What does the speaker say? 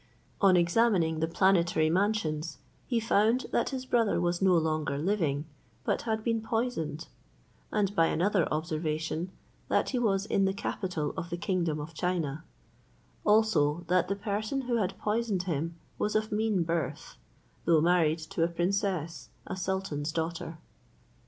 On examining the planetary mansions, he found that his brother was no longer living, but had been poisoned; and by another observation, that he was in the capital of the kingdom of China; also that the person who had poisoned him was of mean birth, though married to a princess, a sultan's daughter.